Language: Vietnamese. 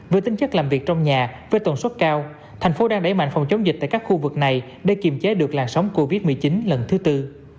với tính chất làm việc trong nhà với tần suất cao thành phố đang đẩy mạnh phòng chống dịch tại các khu vực này để kiềm chế được làn sóng covid một mươi chín lần thứ tư